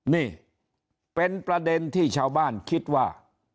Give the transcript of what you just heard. นี่เป็นประเด็นที่ชาวบ้านคิดว่า